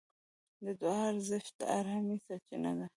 د دعا ارزښت د ارامۍ سرچینه ده.